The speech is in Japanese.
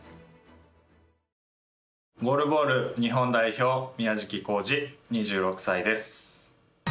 ゴールボール日本代表宮食行次、２６歳です。